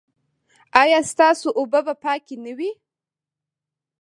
ایا ستاسو اوبه به پاکې نه وي؟